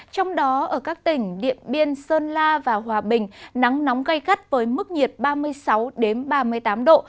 trong đó ở các tỉnh điện biên sơn la và hòa bình nắng nóng gây gắt với mức nhiệt ba mươi sáu ba mươi tám độ